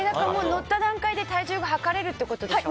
乗った段階で体重が測れるってことでしょ。